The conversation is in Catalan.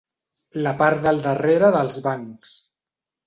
La part del darrere dels bancs.